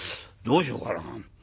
どうしようかな？